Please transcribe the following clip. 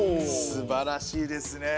すばらしいですね。